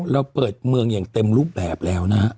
เราเปิดเมืองอย่างเต็มรูปแบบแล้วนะฮะ